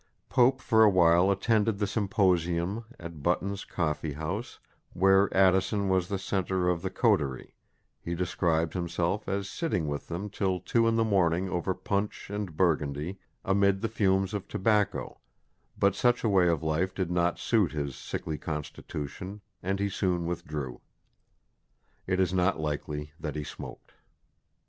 Pope for awhile attended the symposium at Button's coffee house, where Addison was the centre of the coterie he describes himself as sitting with them till two in the morning over punch and Burgundy amid the fumes of tobacco but such a way of life did not suit his sickly constitution, and he soon withdrew. It is not likely that he smoked.